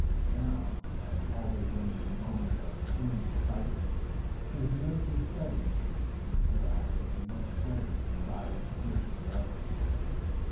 Now, as always in the moment of imminent crisis, his nerves were steady, never had they been more steady, and his eyes pierced the darkness.